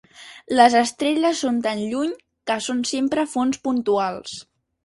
Les estrelles són tan lluny que són sempre fonts puntuals.